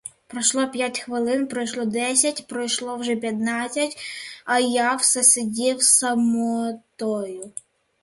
Пройшло п'ять хвилин, пройшло десять, пройшло вже й п'ятнадцять, а я все сидів самотою.